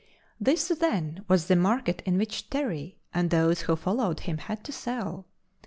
_] This, then, was the market in which Terry and those who followed him had to sell.